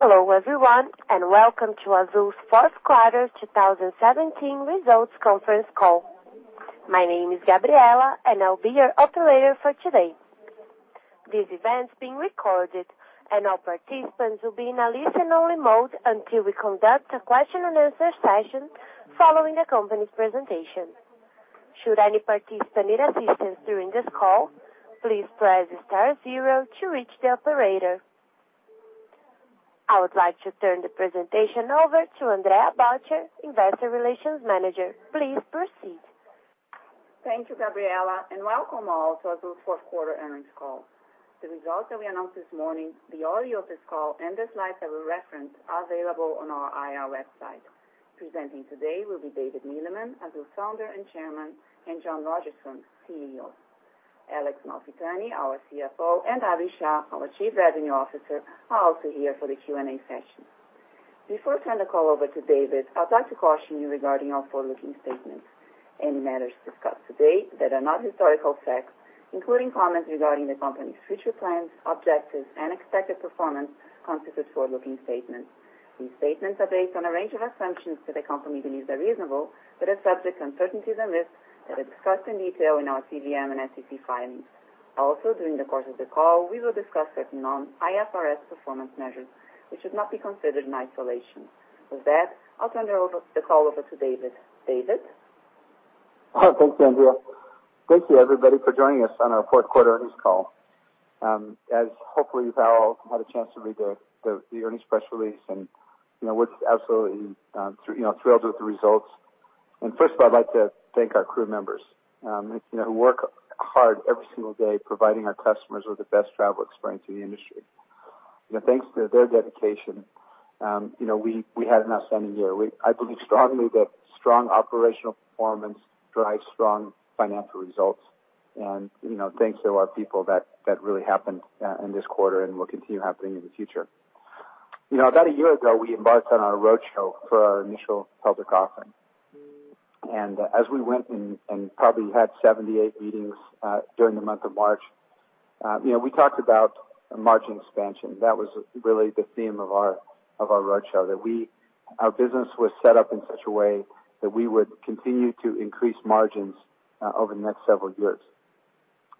Hello, everyone, welcome to Azul's fourth quarter 2017 results conference call. My name is Gabriela, I'll be your operator for today. This event is being recorded, all participants will be in a listen-only mode until we conduct a question and answer session following the company's presentation. Should any participant need assistance during this call, please press star zero to reach the operator. I would like to turn the presentation over to Andrea Boucher, Investor Relations Manager. Please proceed. Thank you, Gabriela, welcome all to Azul's fourth quarter earnings call. The results that we announced this morning, the audio of this call, the slides that we reference are available on our IR website. Presenting today will be David Neeleman, Azul Founder and Chairman, John Rodgerson, CEO. Alex Malfitani, our CFO, Abhi Shah, our Chief Revenue Officer, are also here for the Q&A session. Before I turn the call over to David, I'd like to caution you regarding our forward-looking statements. Any matters discussed today that are not historical facts, including comments regarding the company's future plans, objectives, and expected performance, constitute forward-looking statements. These statements are based on a range of assumptions that the company believes are reasonable, are subject to uncertainties and risks that are discussed in detail in our CVM and SEC filings. Also, during the course of the call, we will discuss certain non-IFRS performance measures, which should not be considered in isolation. With that, I'll turn the call over to David. David? Thanks, Andrea. Thank you, everybody, for joining us on our fourth quarter earnings call. As hopefully you've all had a chance to read the earnings press release, we're absolutely thrilled with the results. First of all, I'd like to thank our crew members who work hard every single day providing our customers with the best travel experience in the industry. Thanks to their dedication, we had an outstanding year. I believe strongly that strong operational performance drives strong financial results. Thanks to our people, that really happened in this quarter and will continue happening in the future. About a year ago, we embarked on our roadshow for our initial public offering. As we went and probably had 78 meetings during the month of March, we talked about margin expansion. That was really the theme of our roadshow, that our business was set up in such a way that we would continue to increase margins over the next several years.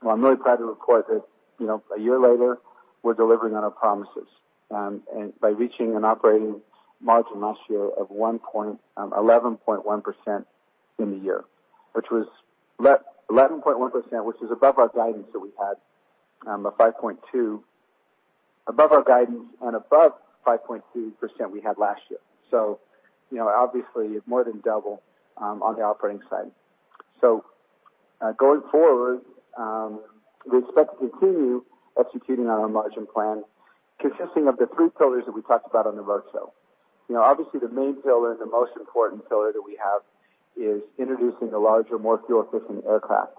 Well, I'm really proud to report that a year later, we're delivering on our promises by reaching an operating margin last year of 11.1% in the year. 11.1%, which is above our guidance that we had of 5.2%, above our guidance and above 5.2% we had last year. Obviously, more than double on the operating side. Going forward, we expect to continue executing on our margin plan, consisting of the three pillars that we talked about on the roadshow. The main pillar, the most important pillar that we have is introducing a larger, more fuel-efficient aircraft.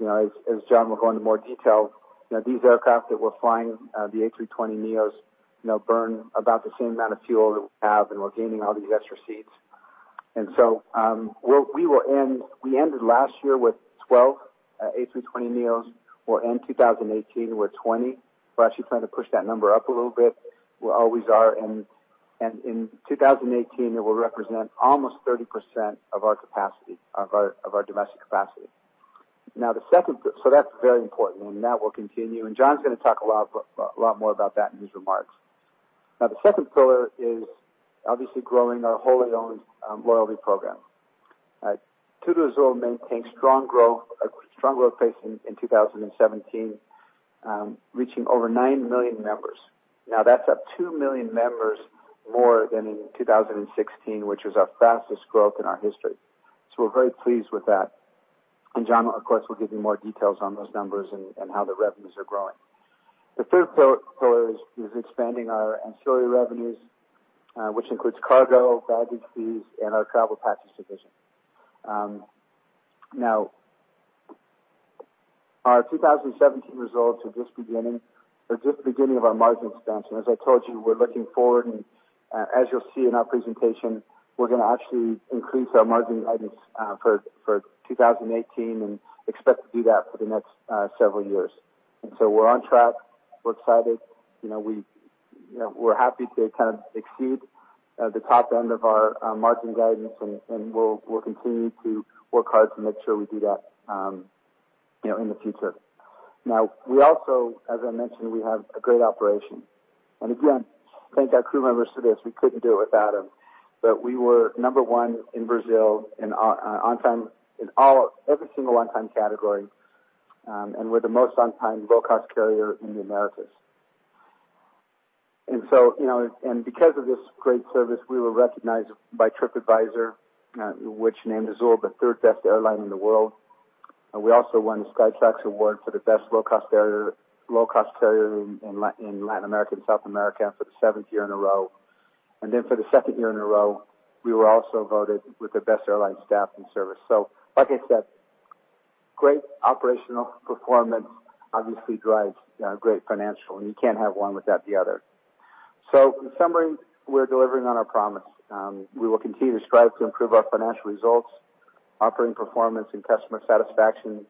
As John will go into more detail, these aircraft that we're flying, the A320neos, burn about the same amount of fuel that we have, and we're gaining all these extra seats. We ended last year with 12 A320neos. We'll end 2018 with 20. We're actually trying to push that number up a little bit. We always are. In 2018, it will represent almost 30% of our domestic capacity. That's very important, and that will continue, and John's going to talk a lot more about that in his remarks. Now, the second pillar is obviously growing our wholly-owned loyalty program. TudoAzul maintained strong growth pace in 2017, reaching over nine million members. Now, that's up two million members more than in 2016, which was our fastest growth in our history. We're very pleased with that. John, of course, will give you more details on those numbers and how the revenues are growing. The third pillar is expanding our ancillary revenues, which includes cargo, baggage fees, and our Travel Packages Division. Now, our 2017 results are just the beginning of our margin expansion. As I told you, we're looking forward, and as you'll see in our presentation, we're going to actually increase our margin guidance for 2018 and expect to do that for the next several years. We're on track. We're excited. We're happy to kind of exceed the top end of our margin guidance, and we'll continue to work hard to make sure we do that in the future. Now, we also, as I mentioned, we have a great operation. Again, thank our crew members for this. We couldn't do it without them. We were number one in Brazil in every single on-time category, and we're the most on-time low-cost carrier in the Americas. Because of this great service, we were recognized by TripAdvisor, which named Azul the third best airline in the world. We also won the Skytrax award for the best low-cost carrier in Latin America and South America for the seventh year in a row. Then for the second year in a row, we were also voted with the best airline staff and service. Like I said, great operational performance obviously drives great financial, and you can't have one without the other. In summary, we're delivering on our promise. We will continue to strive to improve our financial results Operating performance and customer satisfaction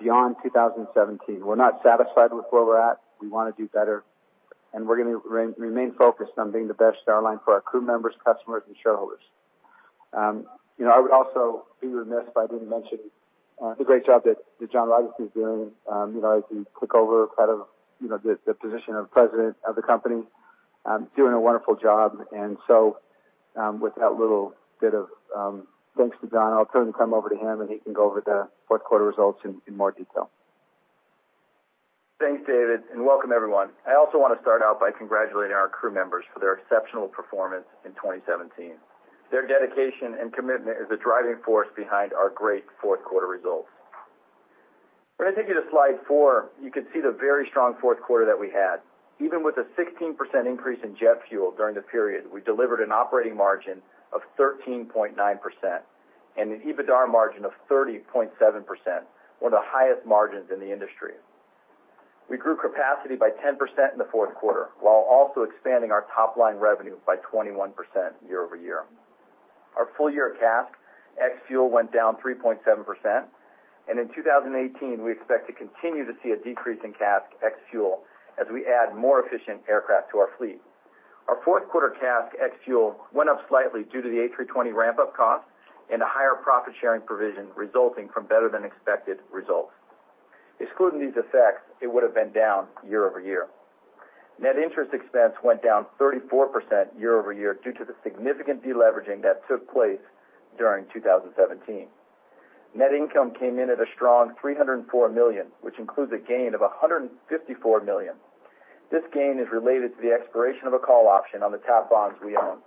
beyond 2017. We're not satisfied with where we're at. We want to do better. We're going to remain focused on being the best airline for our crew members, customers, and shareholders. I would also be remiss if I didn't mention the great job that John Rodgerson is doing as he took over the position of president of the company, doing a wonderful job. With that little bit of thanks to John, I'll turn the time over to him, and he can go over the fourth quarter results in more detail. Thanks, David, and welcome everyone. I also want to start out by congratulating our crew members for their exceptional performance in 2017. Their dedication and commitment is the driving force behind our great fourth quarter results. When I take you to slide four, you can see the very strong fourth quarter that we had. Even with a 16% increase in jet fuel during the period, we delivered an operating margin of 13.9% and an EBITDAR margin of 30.7%, one of the highest margins in the industry. We grew capacity by 10% in the fourth quarter, while also expanding our top-line revenue by 21% year-over-year. Our full year CASK ex fuel went down 3.7%, and in 2018, we expect to continue to see a decrease in CASK ex fuel as we add more efficient aircraft to our fleet. Our fourth quarter CASK ex fuel went up slightly due to the A320 ramp-up cost and a higher profit-sharing provision resulting from better than expected results. Excluding these effects, it would've been down year-over-year. Net interest expense went down 34% year-over-year due to the significant de-leveraging that took place during 2017. Net income came in at a strong 304 million, which includes a gain of 154 million. This gain is related to the expiration of a call option on the TAP bonds we own.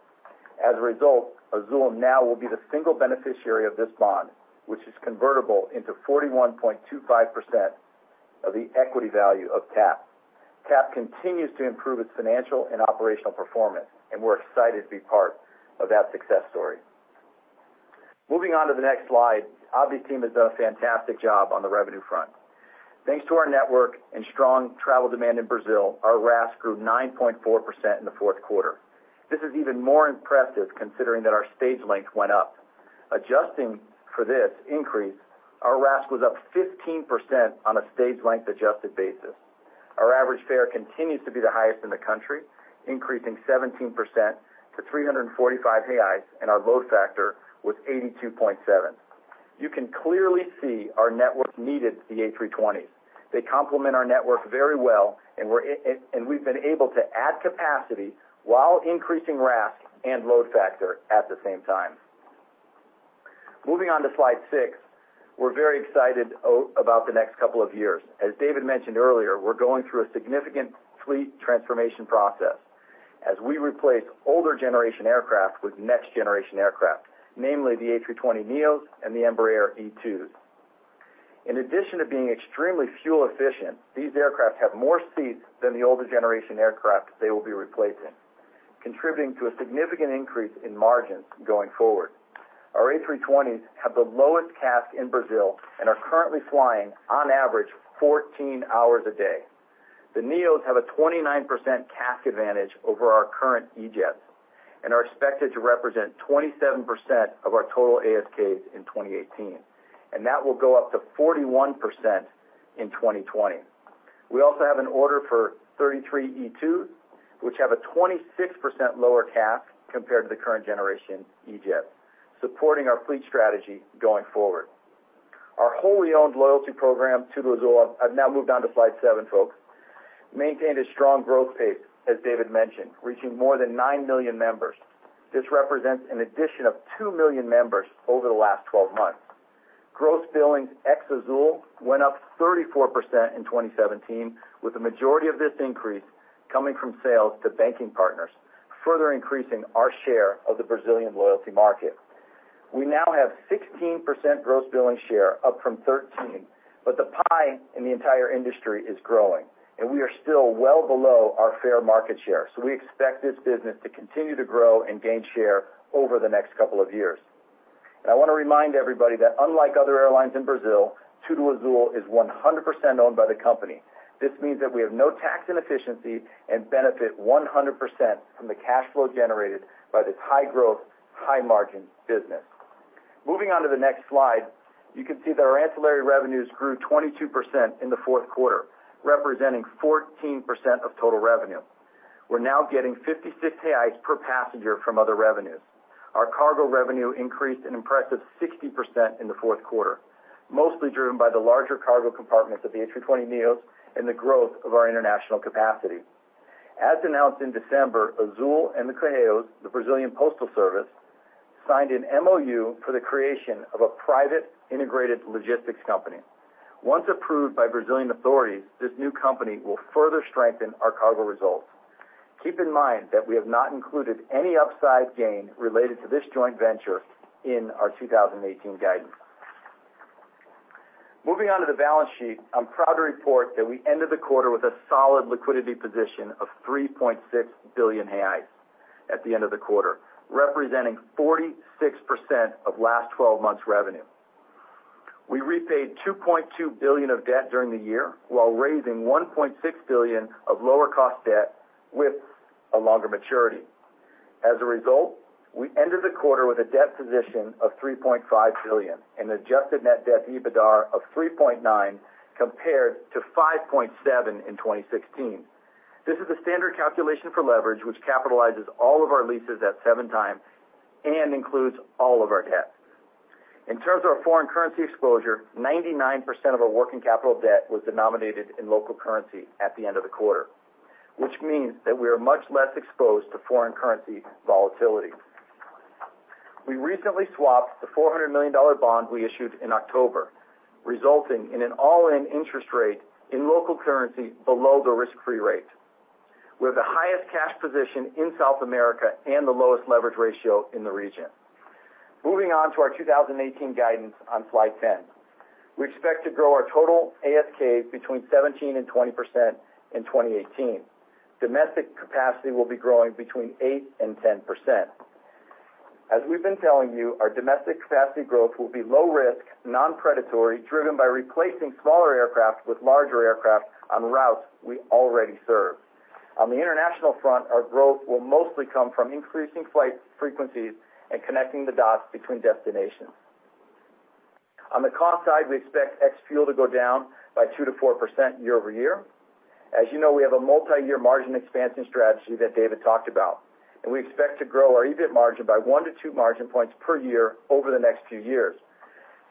As a result, Azul now will be the single beneficiary of this bond, which is convertible into 41.25% of the equity value of TAP. TAP continues to improve its financial and operational performance, and we're excited to be part of that success story. Moving on to the next slide, Abhi's team has done a fantastic job on the revenue front. Thanks to our network and strong travel demand in Brazil, our RASK grew 9.4% in the fourth quarter. This is even more impressive considering that our stage length went up. Adjusting for this increase, our RASK was up 15% on a stage length adjusted basis. Our average fare continues to be the highest in the country, increasing 17% to 345, and our load factor was 82.7%. You can clearly see our network needed the A320s. They complement our network very well, and we've been able to add capacity while increasing RASK and load factor at the same time. Moving on to slide six, we're very excited about the next couple of years. As David mentioned earlier, we're going through a significant fleet transformation process as we replace older generation aircraft with next generation aircraft, namely the A320neos and the Embraer E2s. In addition to being extremely fuel efficient, these aircraft have more seats than the older generation aircraft they will be replacing, contributing to a significant increase in margins going forward. Our A320s have the lowest CASK in Brazil and are currently flying on average 14 hours a day. The neos have a 29% CASK advantage over our current E-jets and are expected to represent 27% of our total ASK in 2018. That will go up to 41% in 2020. We also have an order for 33 E2s, which have a 26% lower CASK compared to the current generation E-jet, supporting our fleet strategy going forward. Our wholly owned loyalty program, TudoAzul, I have now moved on to slide seven, folks, maintained a strong growth pace, as David mentioned, reaching more than nine million members. This represents an addition of two million members over the last 12 months. Gross billings ex Azul went up 34% in 2017, with the majority of this increase coming from sales to banking partners, further increasing our share of the Brazilian loyalty market. We now have 16% gross billing share, up from 13, the pie in the entire industry is growing, and we are still well below our fair market share. We expect this business to continue to grow and gain share over the next couple of years. I want to remind everybody that unlike other airlines in Brazil, TudoAzul is 100% owned by the company. This means that we have no tax inefficiency and benefit 100% from the cash flow generated by this high growth, high margin business. Moving on to the next slide, you can see that our ancillary revenues grew 22% in the fourth quarter, representing 14% of total revenue. We are now getting 56 per passenger from other revenues. Our cargo revenue increased an impressive 60% in the fourth quarter, mostly driven by the larger cargo compartments of the A320neos and the growth of our international capacity. As announced in December, Azul and Correios, the Brazilian Postal Service, signed an MOU for the creation of a private integrated logistics company. Once approved by Brazilian authorities, this new company will further strengthen our cargo results. Keep in mind that we have not included any upside gain related to this joint venture in our 2018 guidance. Moving on to the balance sheet, I am proud to report that we ended the quarter with a solid liquidity position of 3.6 billion at the end of the quarter, representing 46% of last 12 months revenue. We repaid 2.2 billion of debt during the year while raising 1.6 billion of lower cost debt with a longer maturity. We ended the quarter with a debt position of 3.5 billion, an adjusted net debt EBITDAR of 3.9 compared to 5.7 in 2016. This is a standard calculation for leverage, which capitalizes all of our leases at 7 times and includes all of our debt. In terms of our foreign currency exposure, 99% of our working capital debt was denominated in local currency at the end of the quarter, which means that we are much less exposed to foreign currency volatility. We recently swapped the $400 million bond we issued in October, resulting in an all-in interest rate in local currency below the risk-free rate. We have the highest cash position in South America and the lowest leverage ratio in the region. Moving on to our 2018 guidance on slide 10. We expect to grow our total ASK between 17% and 20% in 2018. Domestic capacity will be growing between 8% and 10%. As we've been telling you, our domestic capacity growth will be low risk, non-predatory, driven by replacing smaller aircraft with larger aircraft on routes we already serve. On the international front, our growth will mostly come from increasing flight frequencies and connecting the dots between destinations. On the cost side, we expect ex-fuel to go down by 2%-4% year-over-year. As you know, we have a multi-year margin expansion strategy that David talked about. We expect to grow our EBIT margin by one to two margin points per year over the next few years.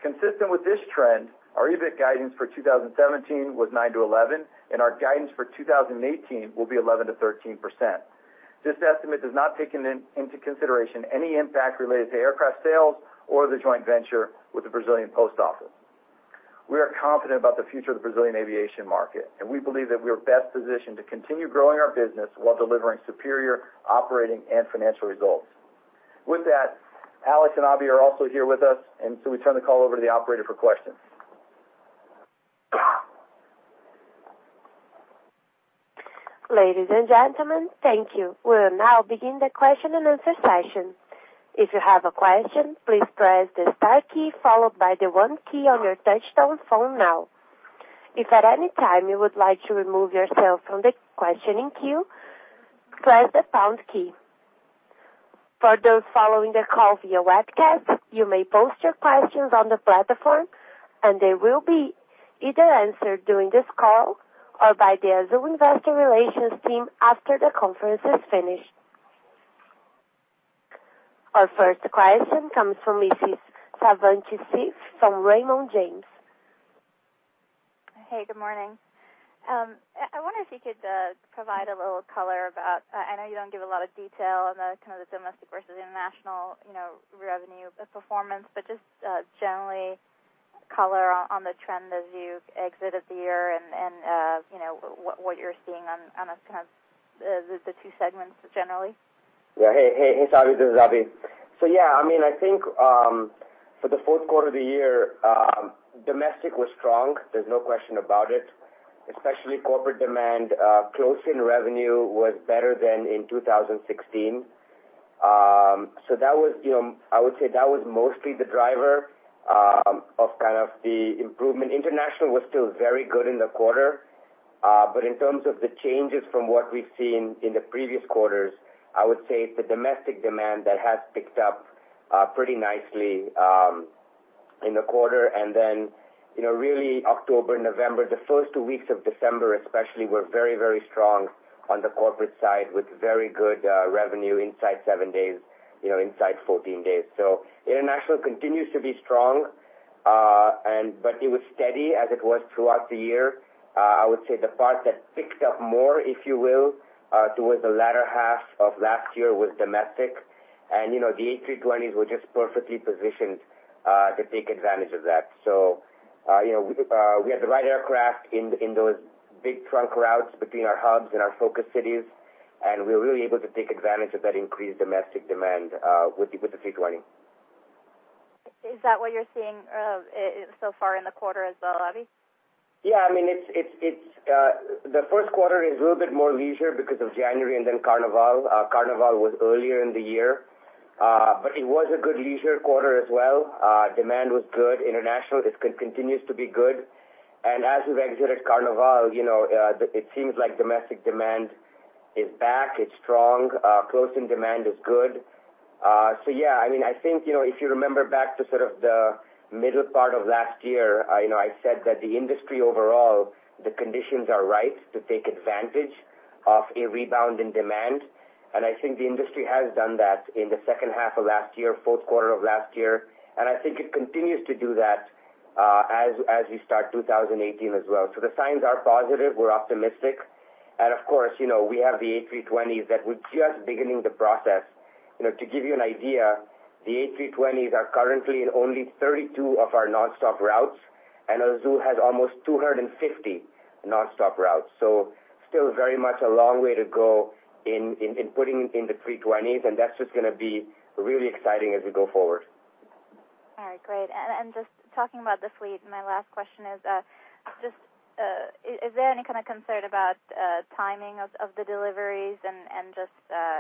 Consistent with this trend, our EBIT guidance for 2017 was 9%-11%. Our guidance for 2018 will be 11%-13%. This estimate does not take into consideration any impact related to aircraft sales or the joint venture with the Brazilian Post Office. We are confident about the future of the Brazilian aviation market. We believe that we are best positioned to continue growing our business while delivering superior operating and financial results. With that, Alex and Abhi are also here with us. We turn the call over to the operator for questions. Ladies and gentlemen, thank you. We will now begin the question and answer session. If you have a question, please press the star key followed by the one key on your touchtone phone now. If at any time you would like to remove yourself from the questioning queue, press the pound key. For those following the call via webcast, you may post your questions on the platform. They will be either answered during this call or by the Azul investor relations team after the conference is finished. Our first question comes from Mrs. Savi Syth from Raymond James. Hey, good morning. I wonder if you could provide a little color about. I know you don't give a lot of detail on the domestic versus international revenue performance, just generally color on the trend as you exited the year and what you're seeing on the two segments generally. Yeah. Hey, Savi. This is Abhi. I think for the fourth quarter of the year, domestic was strong. There's no question about it, especially corporate demand. Closing revenue was better than in 2016. I would say that was mostly the driver of the improvement. International was still very good in the quarter. In terms of the changes from what we've seen in the previous quarters, I would say it's the domestic demand that has picked up pretty nicely in the quarter. Really October, November, the first two weeks of December especially, were very strong on the corporate side with very good revenue inside seven days, inside 14 days. International continues to be strong, but it was steady as it was throughout the year. I would say the part that picked up more, if you will, towards the latter half of last year was domestic. The A320s were just perfectly positioned to take advantage of that. We had the right aircraft in those big trunk routes between our hubs and our focus cities, we were really able to take advantage of that increased domestic demand with the A320. Is that what you're seeing so far in the quarter as well, Abhi? Yeah. The first quarter is a little bit more leisure because of January and then Carnival. Carnival was earlier in the year. It was a good leisure quarter as well. Demand was good. International, it continues to be good. As we've exited Carnival, it seems like domestic demand is back. It's strong. Closing demand is good. I think if you remember back to the middle part of last year, I said that the industry overall, the conditions are right to take advantage of a rebound in demand, I think the industry has done that in the second half of last year, fourth quarter of last year, I think it continues to do that as we start 2018 as well. The signs are positive. We're optimistic. Of course, we have the A320s that we're just beginning the process. To give you an idea, the A320s are currently in only 32 of our non-stop routes, Azul has almost 250 non-stop routes. Still very much a long way to go in putting in the A320s, and that's just going to be really exciting as we go forward. All right, great. Just talking about the fleet, my last question is there any kind of concern about timing of the deliveries and just,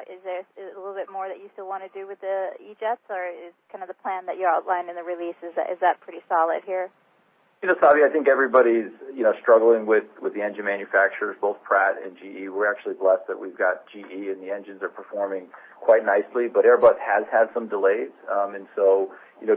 is there a little bit more that you still want to do with the E-Jets, or is the plan that you outlined in the release, is that pretty solid here? Savi, I think everybody's struggling with the engine manufacturers, both Pratt and GE. We're actually blessed that we've got GE and the engines are performing quite nicely, but Airbus has had some delays.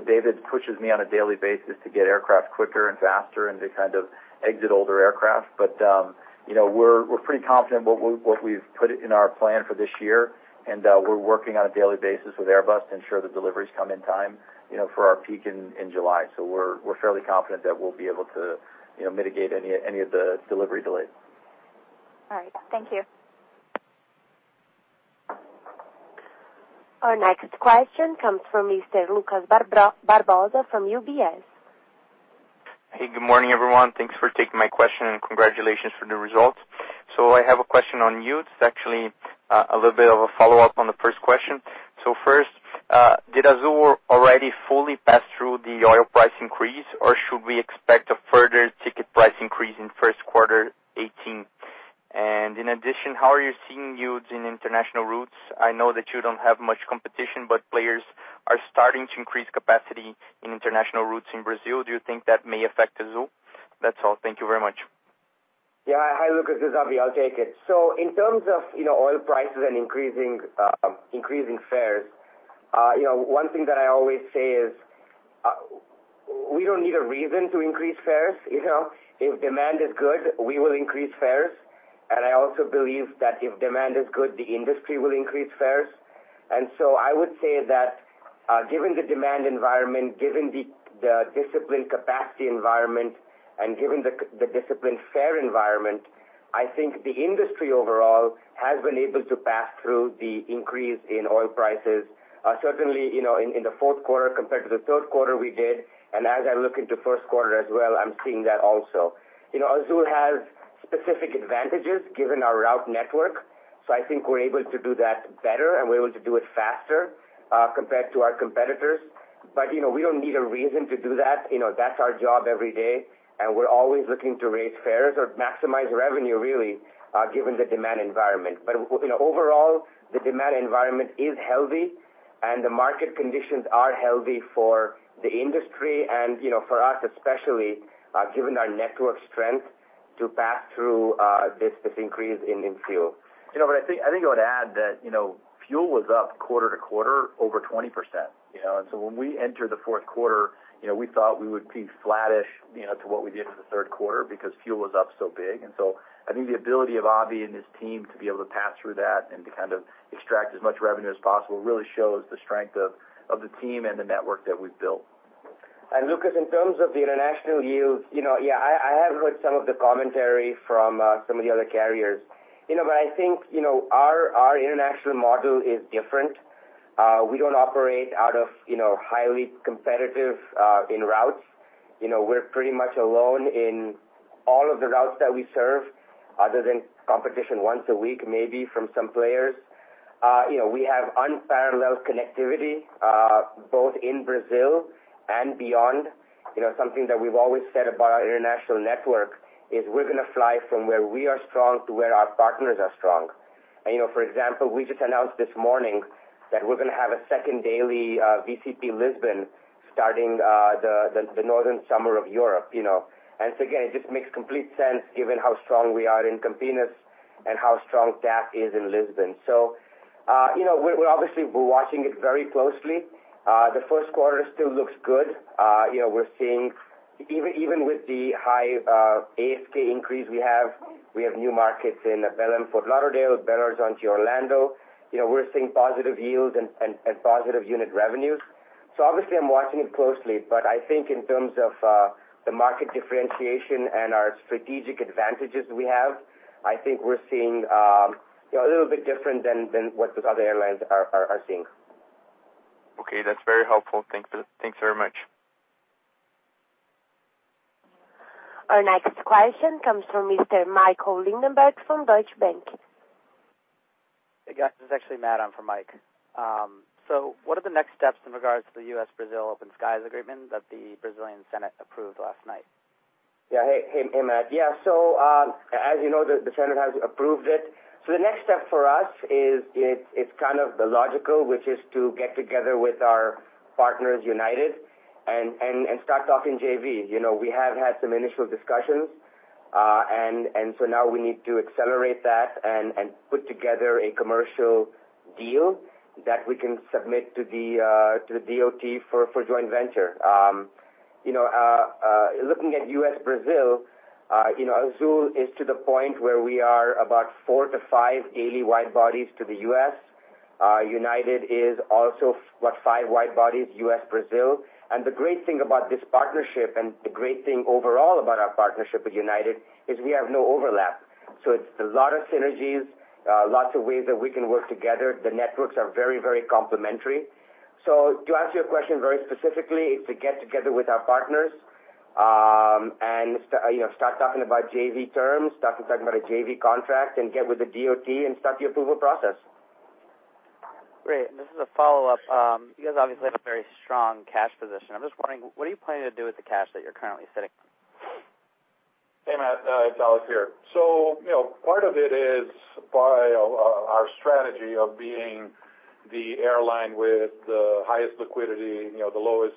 David pushes me on a daily basis to get aircraft quicker and faster and to kind of exit older aircraft. We're pretty confident what we've put in our plan for this year, and we're working on a daily basis with Airbus to ensure the deliveries come in time for our peak in July. We're fairly confident that we'll be able to mitigate any of the delivery delays. All right. Thank you. Our next question comes from Mr. Lucas Barbosa from UBS. Hey, good morning, everyone. Thanks for taking my question and congratulations for the results. I have a question on yields, actually, a little bit of a follow-up on the first question. First, did Azul already fully pass through the oil price increase, or should we expect a further ticket price increase in first quarter 2018? In addition, how are you seeing yields in international routes? I know that you don't have much competition, but players are starting to increase capacity in international routes in Brazil. Do you think that may affect Azul? That's all. Thank you very much. Yeah. Hi, Lucas. It's Avi. I'll take it. In terms of oil prices and increasing fares, one thing that I always say is we don't need a reason to increase fares. If demand is good, we will increase fares, and I also believe that if demand is good, the industry will increase fares. I would say that given the demand environment, given the disciplined capacity environment, and given the disciplined fare environment, I think the industry overall has been able to pass through the increase in oil prices. Certainly, in the fourth quarter compared to the third quarter, we did. As I look into first quarter as well, I'm seeing that also. Azul has specific advantages given our route network, so I think we're able to do that better, and we're able to do it faster compared to our competitors. We don't need a reason to do that. That's our job every day, and we're always looking to raise fares or maximize revenue, really, given the demand environment. Overall, the demand environment is healthy, and the market conditions are healthy for the industry and for us especially, given our network strength to pass through this increase in fuel. I think I would add that fuel was up quarter-over-quarter over 20%. When we entered the fourth quarter, we thought we would be flattish to what we did in the third quarter because fuel was up so big. I think the ability of Abhi and his team to be able to pass through that and to kind of extract as much revenue as possible really shows the strength of the team and the network that we've built. Lucas, in terms of the international yields, I have heard some of the commentary from some of the other carriers. I think our international model is different. We don't operate out of highly competitive in routes. We're pretty much alone in all of the routes that we serve, other than competition once a week, maybe from some players. We have unparalleled connectivity both in Brazil and beyond. Something that we've always said about our international network is we're going to fly from where we are strong to where our partners are strong. For example, we just announced this morning that we're going to have a second daily VCP Lisbon starting the northern summer of Europe. Again, it just makes complete sense given how strong we are in Campinas and how strong TAP is in Lisbon. We're obviously watching it very closely. The first quarter still looks good. We're seeing even with the high ASK increase we have, we have new markets in Belem, Fort Lauderdale, Belem onto Orlando. We're seeing positive yields and positive unit revenues. Obviously, I'm watching it closely, but I think in terms of the market differentiation and our strategic advantages we have, I think we're seeing a little bit different than what those other airlines are seeing. That's very helpful. Thanks very much. Our next question comes from Mr. Michael Linenberg from Deutsche Bank. Hey, guys. This is actually Matt. I'm for Mike. What are the next steps in regards to the U.S.-Brazil Open Skies agreement that the Brazilian Senate approved last night? Yeah. Hey, Matt. Yeah. As you know, the Senate has approved it. The next step for us is kind of the logical, which is to get together with our partners, United, and start talking JV. We have had some initial discussions. Now we need to accelerate that and put together a commercial deal that we can submit to the DOT for joint venture. Looking at U.S.-Brazil, Azul is to the point where we are about four to five daily wide-bodies to the U.S. United is also, what? Five wide-bodies U.S.-Brazil. The great thing about this partnership and the great thing overall about our partnership with United is we have no overlap. It's a lot of synergies, lots of ways that we can work together. The networks are very, very complementary. To answer your question very specifically, it's to get together with our partners, and start talking about JV terms, start to talk about a JV contract, and get with the DOT and start the approval process. Great. This is a follow-up. You guys obviously have a very strong cash position. I'm just wondering, what are you planning to do with the cash that you're currently sitting on? Hey, Matt. It's Alex here. Part of it is by our strategy of being the airline with the highest liquidity, the lowest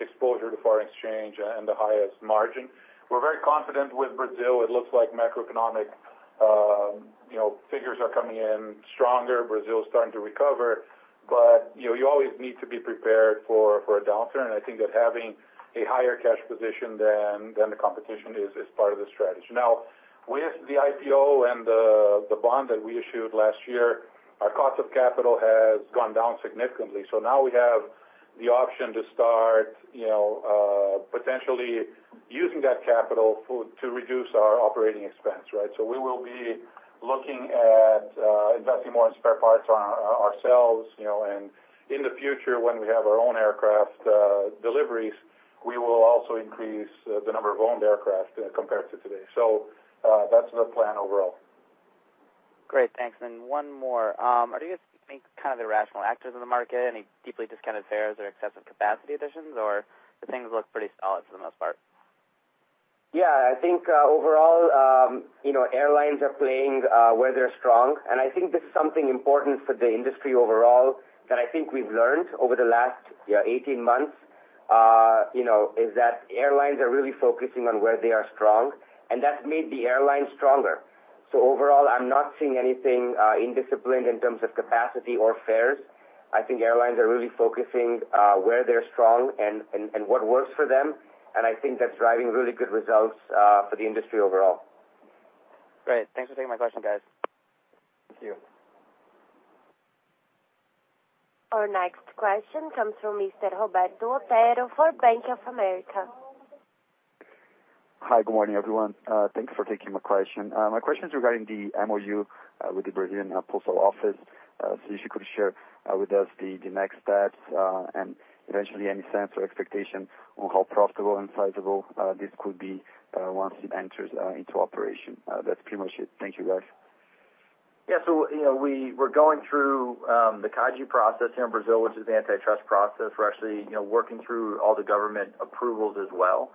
exposure to foreign exchange, and the highest margin. We're very confident with Brazil. It looks like macroeconomic figures are coming in stronger. Brazil is starting to recover. You always need to be prepared for a downturn, and I think that having a higher cash position than the competition is part of the strategy. Now, with the IPO and the bond that we issued last year, our cost of capital has gone down significantly. We now have the option to start potentially using that capital to reduce our operating expense. Right? We will be looking at investing more in spare parts ourselves. In the future, when we have our own aircraft deliveries, we will also increase the number of owned aircraft compared to today. That's the plan overall. Great. Thanks. One more. Are you guys seeing any kind of irrational actors in the market, any deeply discounted fares or excessive capacity additions, or do things look pretty solid for the most part? I think, overall, airlines are playing where they're strong, and I think this is something important for the industry overall that I think we've learned over the last 18 months, is that airlines are really focusing on where they are strong, and that's made the airlines stronger. Overall, I'm not seeing anything indisciplined in terms of capacity or fares. I think airlines are really focusing where they're strong and what works for them, and I think that's driving really good results for the industry overall. Great. Thanks for taking my question, guys. Thank you. Our next question comes from Mr. Roberto Otero for Bank of America. Hi, good morning, everyone. Thanks for taking my question. My question is regarding the MOU with the Brazilian Postal Office. If you could share with us the next steps and eventually any sense or expectation on how profitable and sizable this could be once it enters into operation. That's pretty much it. Thank you, guys. Yeah. We're going through the CADE process here in Brazil, which is the antitrust process. We're actually working through all the government approvals as well.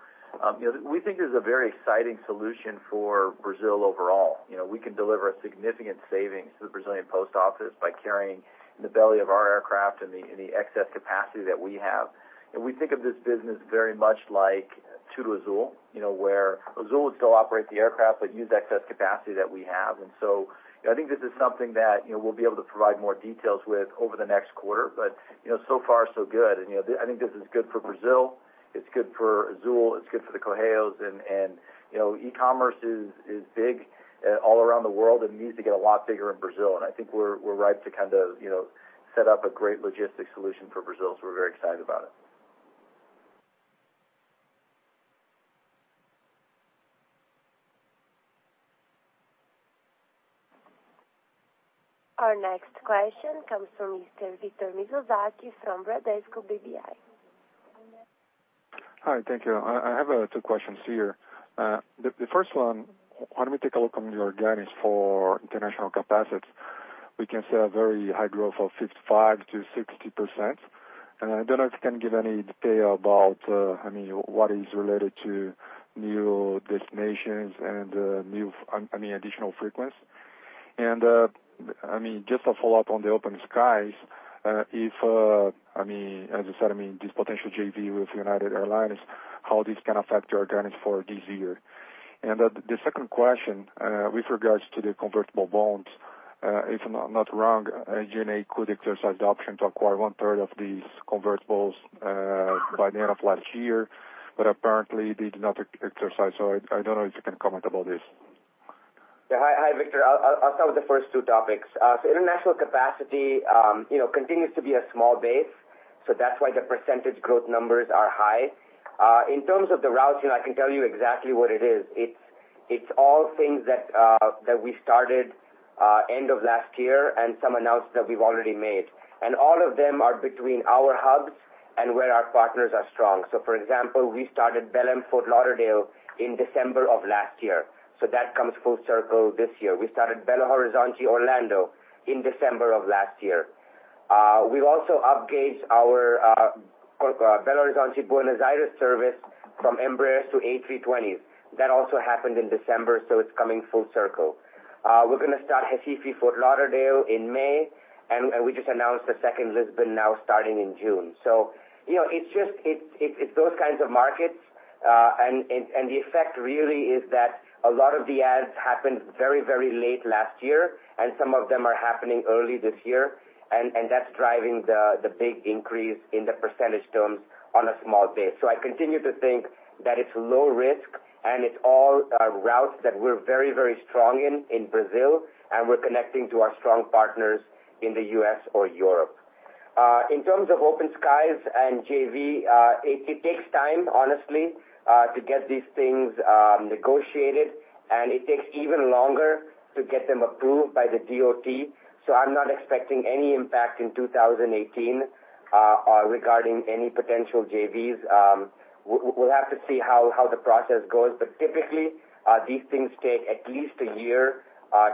We think this is a very exciting solution for Brazil overall. We can deliver a significant savings to the Brazilian Post Office by carrying the belly of our aircraft and the excess capacity that we have. We think of this business very much like TudoAzul, where Azul would still operate the aircraft but use excess capacity that we have. I think this is something that we'll be able to provide more details with over the next quarter. So far so good, I think this is good for Brazil, it's good for Azul, it's good for the Correios, and e-commerce is big all around the world and needs to get a lot bigger in Brazil. I think we're ripe to set up a great logistics solution for Brazil, we're very excited about it. Our next question comes from Mr. Victor Mizusaki from Bradesco BBI. Hi. Thank you. I have two questions here. The first one, when we take a look on your guidance for international capacity, we can see a very high growth of 55%-60%. I don't know if you can give any detail about what is related to new destinations and additional frequency. Just a follow-up on the Open Skies, as you said, this potential JV with United Airlines, how this can affect your guidance for this year. The second question, with regards to the convertible bonds, if I'm not wrong, HNA could exercise the option to acquire one-third of these convertibles by the end of last year, but apparently they did not exercise. I don't know if you can comment about this. Yeah. Hi, Victor. I'll start with the first two topics. International capacity continues to be a small base, so that's why the percentage growth numbers are high. In terms of the routes, I can tell you exactly what it is. It's all things that we started end of last year and some announcements that we've already made. All of them are between our hubs and where our partners are strong. For example, we started Belém, Fort Lauderdale in December of last year. That comes full circle this year. We started Belo Horizonte, Orlando in December of last year. We also up-gauged our Belo Horizonte, Buenos Aires service from Embraer to A320s. That also happened in December, so it's coming full circle. We're going to start Recife, Fort Lauderdale in May, and we just announced a second Lisbon now starting in June. It's those kinds of markets, and the effect really is that a lot of the adds happened very late last year, and some of them are happening early this year, and that's driving the big increase in the percentage terms on a small base. I continue to think that it's low risk, and it's all routes that we're very strong in Brazil, and we're connecting to our strong partners in the U.S. or Europe. In terms of Open Skies and JV, it takes time, honestly, to get these things negotiated, and it takes even longer to get them approved by the DOT, so I'm not expecting any impact in 2018 regarding any potential JVs. We'll have to see how the process goes, typically, these things take at least a year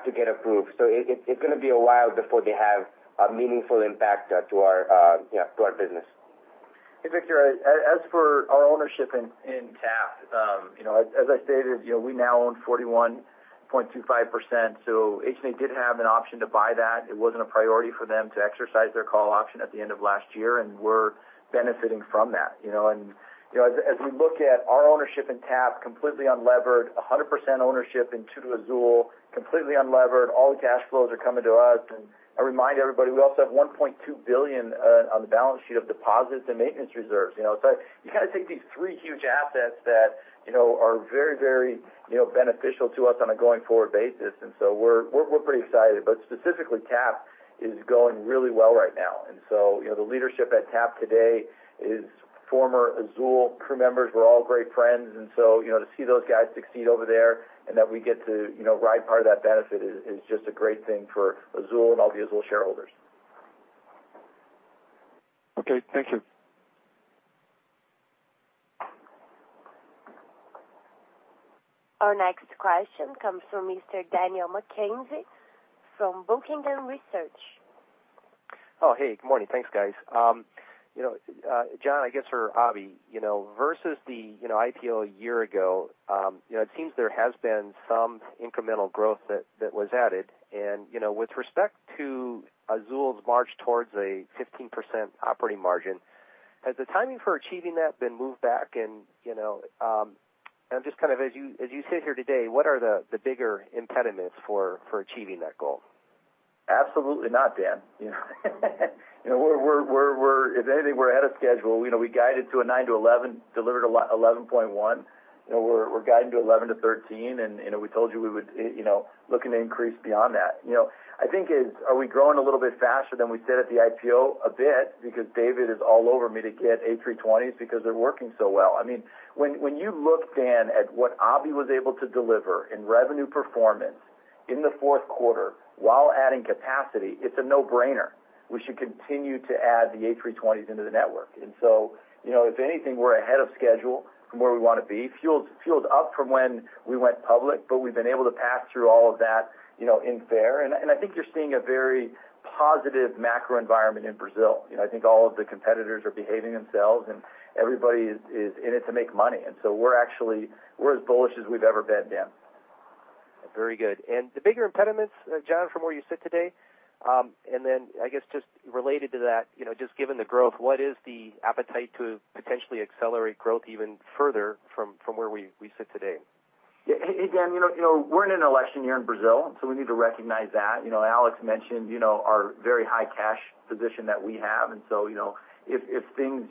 to get approved. It's going to be a while before they have a meaningful impact to our business. Hey, Victor. As for our ownership in TAP, as I stated, we now own 41.25%. HNA did have an option to buy that. It wasn't a priority for them to exercise their call option at the end of last year, and we're benefiting from that. As we look at our ownership in TAP, completely unlevered, 100% ownership in TudoAzul, completely unlevered, all the cash flows are coming to us. I remind everybody, we also have 1.2 billion on the balance sheet of deposits and maintenance reserves. You got to take these three huge assets that are very beneficial to us on a going-forward basis. We're pretty excited. Specifically, TAP is going really well right now. The leadership at TAP today is former Azul crew members. We're all great friends. To see those guys succeed over there and that we get to ride part of that benefit is just a great thing for Azul and all the Azul shareholders. Okay. Thank you. Our next question comes from Mr. Daniel McKenzie from Buckingham Research. Hey. Good morning. Thanks, guys. John, I guess, or Abhi, versus the IPO a year ago, it seems there has been some incremental growth that was added. With respect to Azul's march towards a 15% operating margin, has the timing for achieving that been moved back? Just as you sit here today, what are the bigger impediments for achieving that goal? Absolutely not, Dan. If anything, we're ahead of schedule. We guided to a 9%-11%, delivered 11.1%. We're guiding to 11%-13%, we told you we would look into increase beyond that. Are we growing a little bit faster than we did at the IPO? A bit, because David is all over me to get A320s because they're working so well. When you look, Dan, at what Abhi was able to deliver in revenue performance in the fourth quarter while adding capacity, it's a no-brainer. We should continue to add the A320s into the network. If anything, we're ahead of schedule from where we want to be. Fueled up from when we went public, we've been able to pass through all of that in fair. I think you're seeing a very positive macro environment in Brazil. I think all of the competitors are behaving themselves, everybody is in it to make money. We're as bullish as we've ever been, Dan. Very good. The bigger impediments, John, from where you sit today, I guess, just related to that, just given the growth, what is the appetite to potentially accelerate growth even further from where we sit today? Yeah. Hey, Dan, we're in an election year in Brazil, we need to recognize that. Alex Malfitani mentioned our very high cash position that we have. If things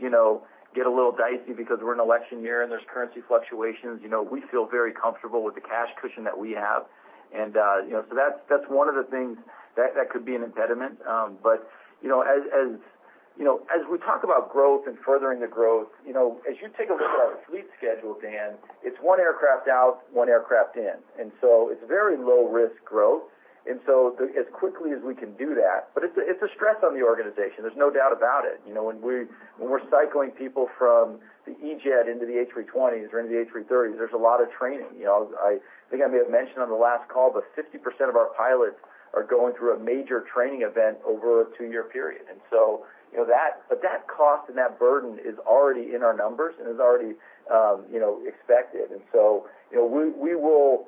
get a little dicey because we're in an election year and there's currency fluctuations, we feel very comfortable with the cash cushion that we have. That's one of the things that could be an impediment. As we talk about growth and furthering the growth, as you take a look at our fleet schedule, Dan, it's one aircraft out, one aircraft in. It's very low-risk growth. As quickly as we can do that. It's a stress on the organization. There's no doubt about it. When we're cycling people from the E-Jet into the A320s or into the A330s, there's a lot of training. I think I may have mentioned on the last call, 50% of our pilots are going through a major training event over a two-year period. That cost and that burden is already in our numbers and is already expected. We will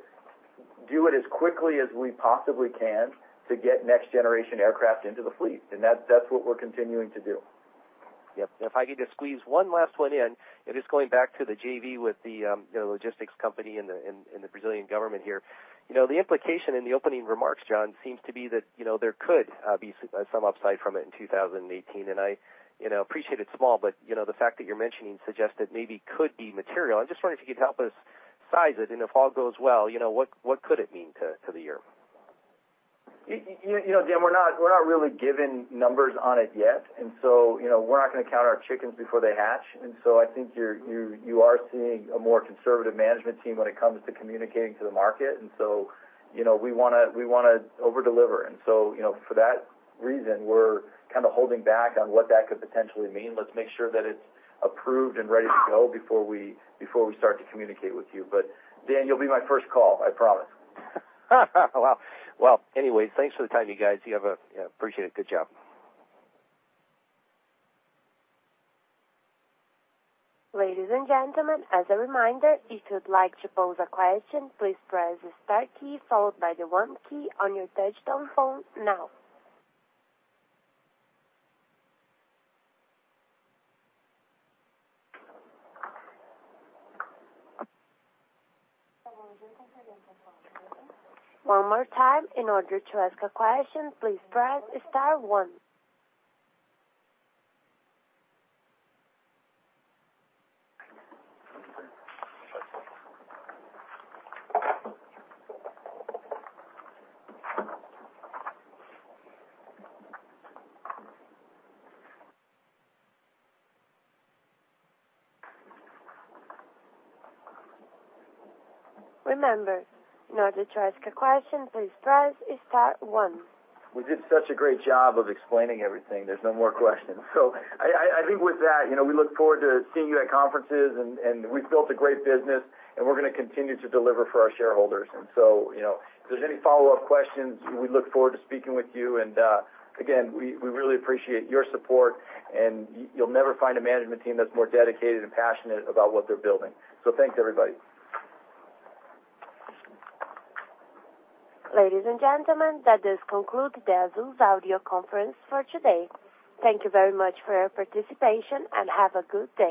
do it as quickly as we possibly can to get next-generation aircraft into the fleet, and that's what we're continuing to do. Yep. If I could just squeeze one last one in, just going back to the JV with the logistics company and the Brazilian government here. The implication in the opening remarks, John Rodgerson, seems to be that there could be some upside from it in 2018, and I appreciate it's small, the fact that you're mentioning suggests that maybe could be material. I'm just wondering if you could help us size it, and if all goes well, what could it mean to the year? Dan, we're not really giving numbers on it yet, we're not going to count our chickens before they hatch. I think you are seeing a more conservative management team when it comes to communicating to the market. We want to over-deliver. For that reason, we're kind of holding back on what that could potentially mean. Let's make sure that it's approved and ready to go before we start to communicate with you. Dan, you'll be my first call, I promise. Wow. Well, anyways, thanks for the time, you guys. Appreciate it. Good job. Ladies and gentlemen, as a reminder, if you'd like to pose a question, please press the star key followed by the one key on your telephone now. One more time. In order to ask a question, please press star one. Remember, in order to ask a question, please press star one. We did such a great job of explaining everything. There's no more questions. I think with that, we look forward to seeing you at conferences, and we've built a great business, and we're going to continue to deliver for our shareholders. If there's any follow-up questions, we look forward to speaking with you. Again, we really appreciate your support, and you'll never find a management team that's more dedicated and passionate about what they're building. Thanks, everybody. Ladies and gentlemen, that does conclude the Azul audio conference for today. Thank you very much for your participation, and have a good day.